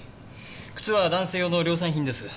靴は男性用の量産品です。